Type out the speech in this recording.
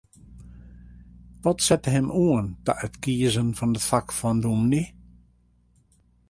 Wat sette him oan ta it kiezen fan it fak fan dûmny?